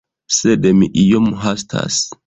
Sed mi iom hastas.